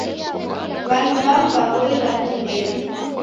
W'andu w'amu w'aboilwaa ni kudeda.